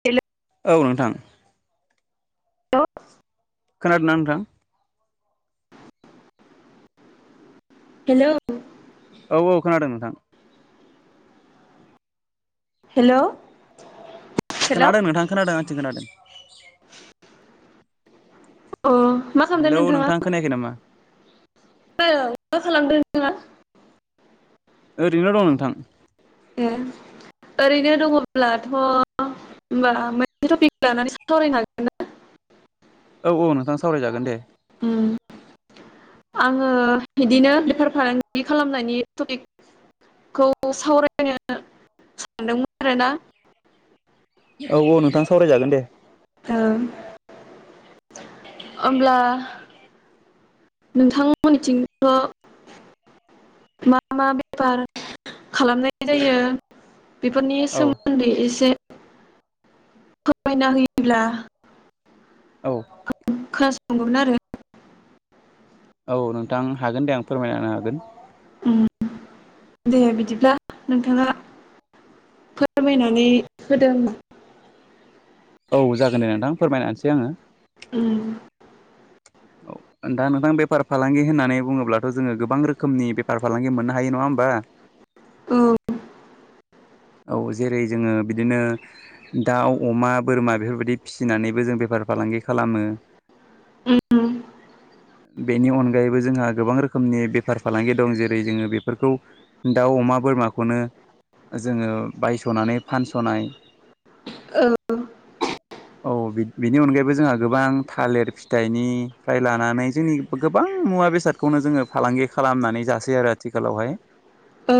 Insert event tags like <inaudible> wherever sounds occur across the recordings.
हेल' औ नोंथां औ' खोनादों ना नोंथां? हेल' औ औ खोनादों नोंथां। हेल' खोनादों नोंथां खोनादों आं खोनादों। <inaudible> अ मा खालामदों हेलौ नोंथाङा? नोंथां खोनायाखै नामा? औ मा खालामदों नोंथाङा ओरैनो दं नोंथां ए ओरैनो दङब्लाथ' होमबा मोनसे टपिक लानानै सावरायनो हागोन ना? औ औ नोंथां सावरायजागोन दे ओम आङो बिदिनो बेफार फालांगि खालामनायनि टपिक खौ सावरायनो सानदोंमोन आरोना औ औ नोंथां सावरायजागोन दे ओ ओमब्ला नोंथांमोननिथिंथ' मा मा बेफार खालामनाय जायो बेफोरनि औ सोमोन्दै एसे फोरमायना होयोब्ला औ क्लास नंगौमोन आरो औ नोंथां हागोन दे आं फोरमायना होनो हागोन। ओम दे बिदिब्ला नोंथाङा फोरमायनानै होदो खोमा। औ जागोन दे नोंथां फोरमायना होनोसै आङो उम <inaudible> औ दा नोंथां बेफार फालांगि होननानै बुङोब्लाथ' जोङो गोबां रोखोमनि बेफार फालांगि मोननो हायो नङा होमबा? औ औ जेरै जोङो बिदिनो दाउ अमा बोरमा बेफोरबायदि फिसिनानैबो जों बेफार फालांगि खालामो ओम बेनि अनगायैबो जोंहा गोबां रोखोमनि बेफार फालांगि दं जेरै जोङो बेफोरखौ दाउ अमा बोरमाखौनो जोङो बायस'नानै फानस'नाय ओ औ बेनि अनगायैबो जोंहा गोबां थालिर फिथाइनि फ्राय लानानै जोंनि गोबां मुवा बेसादखौनो जोङो फालांगि खालामनानै जासै आरो आथिखालावहाय औ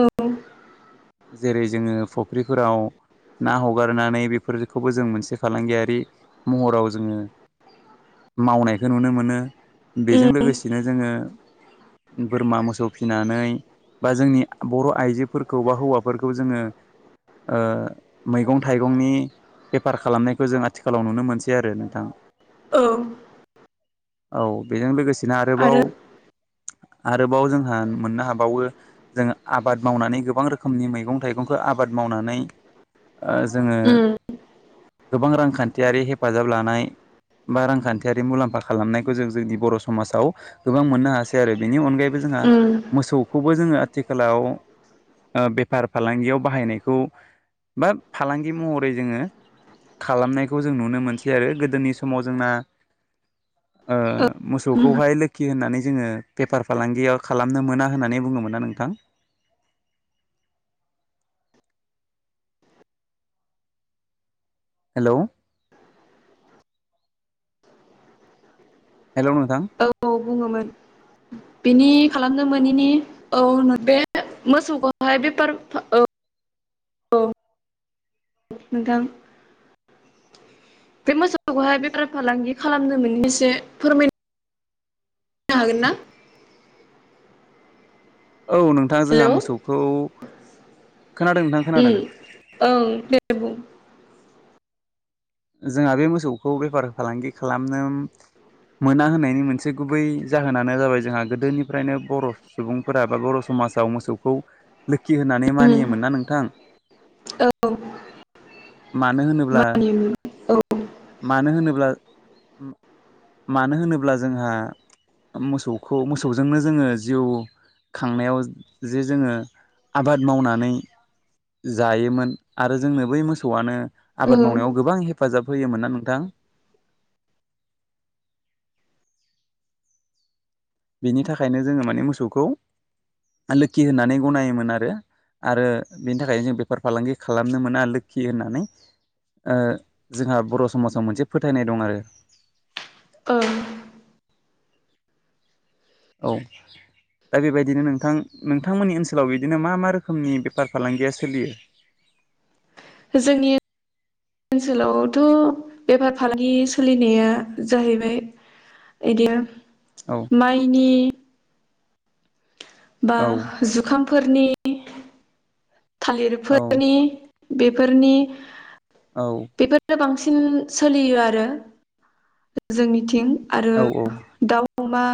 जेरै जोङो फुख्रिफोराव ना हगारनानै बेफोरखौबो जों मोनसे फालांगियारि महराव जोङो मावनायखौ नुनो मोनो बेजों उम लोगोसेनो जोङो बोरमा मोसौ फिनानै बा जोंनि बर' आइजोफोरखौ बा हौवाफोरखौ जोङो ओ मैगं थाइगंनि बेफार खालामनायखौ जों आथिखालाव नुनो मोनसै आरो नोंथां औ औ बेजों लोगोसेनो आरो आरोबाव आरोबाव जोंहा मोननो हाबावो जों आबाद मावनानै गोबां रोखोमनि मैगं थाइगंखौ आबाद मावनानै ओ जोङो उम गोबां रांखान्थियारि हेफाजाब लानाय बा रांखान्थियारि मुलाम्फा खालामनायखौ जों जोंनि बर' समाजाव गोबां मोननो हासै आरो बेनि अनगायैबो जोंहा उम मोसौखौबो जोङो आथिखालाव ओ बेफार फालांगियाव बाहायनायखौ बा फालांगि महरै जोङो खालामनायखौ जों नुनो मोनसै आरो गोदोनि समाव जोंना ओ उम मोसौखौहाय लोखि होननानै जोङो बेफार फालांगियाव खालामनो मोना होननानै बुङोमोन ना नोंथां? हेल'। हेल' नोंथां औ बुङोमोन बेनि खालामनो मोनैनि औ बे मोसौखौहाय बेफार औ औ नोंथां बे मोसौखौहाय बेफार फालांगि खालामनो नों एसे फोरमायनो हागोन ना? औ नोंथां हेल' जोंहा मोसौखौ खोनादों नोंथां खोनादों। ओं दे बुं। जोंहा बे मोसौखौ बेफार फालांगि खालामनो मोना होननायनि मोनसे गुबै जाहोनानो जाबाय जोंहा गोदोनिफ्रायनो बर' सुबुंफोरा बा बर' समाजाव मोसौखौ लोखि होननानै मानियोमोन ना नोंथां औ मानो होनोब्ला मानियोमोन औ। मानो होनोब्ला मानो होनोब्ला जोंहा मोसौखौ मोसौजोंनो जोङो जिउ खांनायाव जे जोङो आबाद मावनानै जायोमोन आरो जोंनो बै मोसौआनो ओ आबाद मावनायाव गोबां हेफाजाब होयोमोन ना नोंथां। बिनि थाखायनो जोङो माने मोसौखौ लोखि होननानै गनायोमोन आरो आरो बेनि थाखायनो जों बेफार फालांगि खालामनो मोना लोखि होननानै ओ जोंहा बर' समाजाव मोनसे फोथायनाय दं आरो। ओं औ दा बेबायदिनो नोंथां नोंथांमोननि ओनसोलाव बिदिनो मा मा रोखोमनि बेफार फालांगिया सोलियो? जोंनि ओनसोलावथ' बेफार फालांगि सोलिनाया जाहैबाय बिदिया औ माइनि बा औ जुखामफोरनि औ थालिरफोरनि बेफोरनि औ बेफोरो बांसिन सोलियो आरो। जोंनिथिं आरो औ दाउ अमा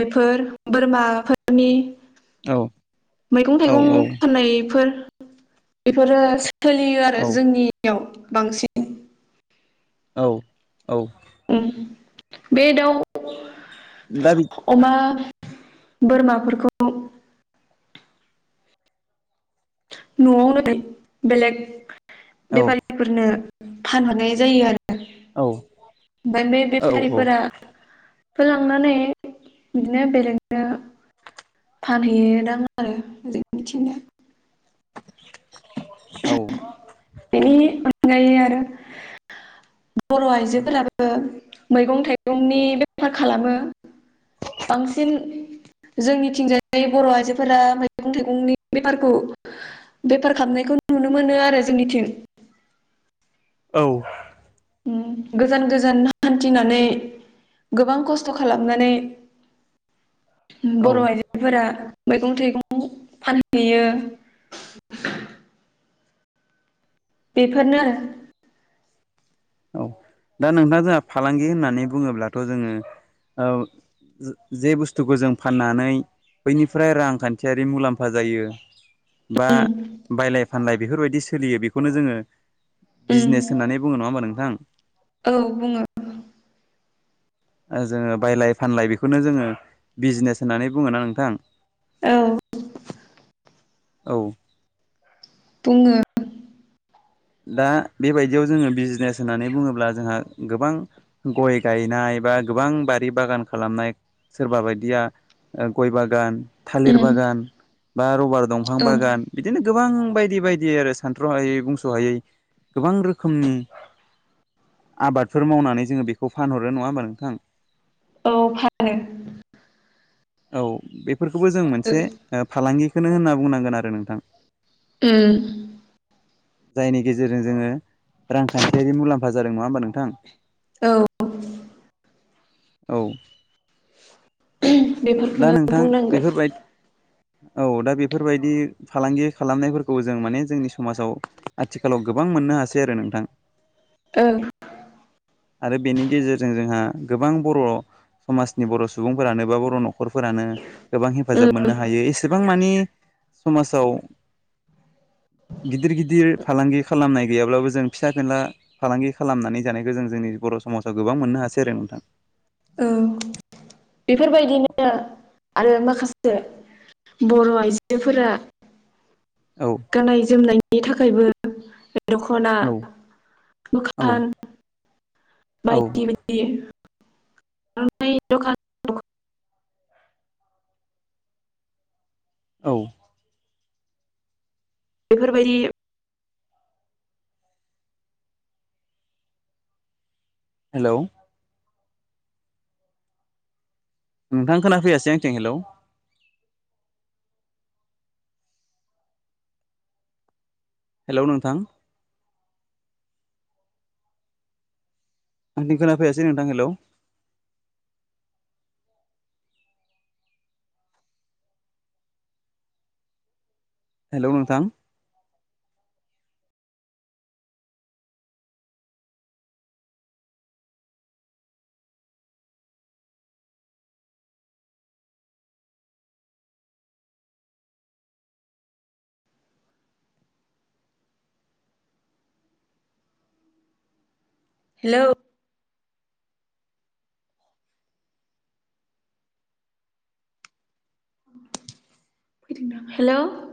बेफोर बोरमाफोरनि औ मैगं औ थाइगं फाननायफोर बेफोरो सोलियो आरो औ जोंनि याव बांसिन औ औ उम बे दाउ दा बि अमा बोरमाफोरखौ न'आवनो बेलेक औ बेफारिफोरनो फानहरनाय जायो आरो औ ओमफ्राय बे औ बेफारिफोरा होलांनानै बिदिनो बेलेगनो फानहैयोदां आरो जोंनिथिंनो। औ बेनि अनगायै आरो बर' आइजोफोराबो मैगं थाइगंनि बेफार खालामो बांसिन जोंनिथििंजाय बर' आइजोफोरा मैगं थाइगंनि बेफारखौ बेफार खालामनायखौ नुनो मोनो आरो जोंनिथिं। औ उम गोजान गोजान हान्थिनानै गोबां खस्थ' खालामनानै औ बर' आइजोफोरा मैगं थाइगं फानहैयो। बेफोरनो औ दा नोंथाङा जोंहा फालांगि होननानै बुङोब्लाथ' जोङो, औ। जे बुस्थुखौ जों फाननानै बैनिफ्राय रांखान्थियारि मुलाम्फा जायो। बा बायलाय फानलाय बेफोरबायदि सोलियो बेखौनो जोङो उम बिजनेस होननानै बुङो नङा होमबा नोंथां? औ बुङो जोङो बायलाय फानलाय बेखौनो जोङो बिजनेस होननानै बुङोना नोंथां। औ। औ। फुङो दा बेबायदियाव जोङो बिजनेस होननानै बुङोब्ला जोंहा गोबां गय गायनाय बा गोबां बारि बागान खालामनाय सोरबा बायदिया गय बागान थालिर उम बागान बा रबार दंफां औ बागान बिदिनो गोबां बायदि बायदि आरो सानथ्र'हायै बुंस'हायै गोबां रोखोमनि आबादफोर मावनानै जोङो बेखौ फानहरो नङा होमबा नोंथां? औ फानो औ बेफोरखौबो जों मोनसे फालांगिखौनो होनना बुंनांगोन आरो नोंथां। उओ जायनि गेजेरजों जोङो रांखान्थियारि मुलाम्फा जादों नङा होमबा नोंथां? औ। औ। दा बेफोरखौनो नोंथां बुंनांगोन बेफोरबायदि औ दा बेफोरबायदि फालांगि खालामनायफोरखौ जों माने जोंनि समाजाव आथिखालाव गोबां मोननो हासै आरो नोंथां। औं। आरो बेनि गेजेरजों जोंहा गोबां बर' समाजनि बर' सुबुंफोरानो बाबो बर' न'खरफोरानो गोबां उम हेफाजाब मोननो हायो एसेबां मानि समाजाव गिदिर गिदिर फालांगि खालामनाय गैयाब्लाबो जों फिसा फेनला फालांगि खालामनानै जानायखौ जों जोंनि बर' समाजाव गोबां मोननो हासै आरो नोंथां। औ बेफोरबायदिनो आरो माखासे बर' आइजोफोरा औ गाननाय जोमनायनि थाखायबो बे दख'ना औ औ मोखान औ बायदि बायदिां दखान औ। बेफोरबायदि हेल'। नोंथां खोना फैयासै आंथिं हेलौ हेलौ नोंथां। आं खोनाैासै नोंथां हेल' हेल' नोंथां। हेल'। <unintelligible> हेल'